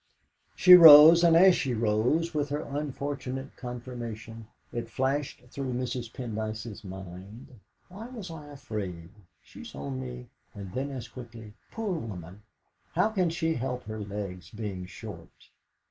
She rose, and as she rose, such was her unfortunate conformation, it flashed through Mrs. Pendyce's mind 'Why was I afraid? She's only ' And then as quickly: 'Poor woman! how can she help her legs being short?'